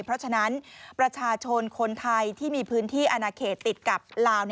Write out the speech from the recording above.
เพราะฉะนั้นประชาชนคนไทยที่มีพื้นที่อนาเขตติดกับลาว